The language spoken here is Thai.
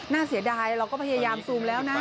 เสียดายเราก็พยายามซูมแล้วนะ